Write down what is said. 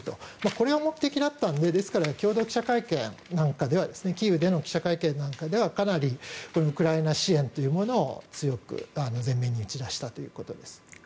これが目的だったのでですから共同記者会見なんかではキーウでの記者会見なんかではかなりウクライナ支援というものを強く前面に打ち出したということです。